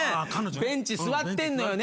ベンチ座ってんのよね。